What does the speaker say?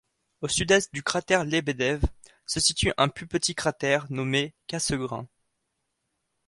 Au sud-est du cratère Lebedev, se situe un plus petit cratère, nommé Cassegrain.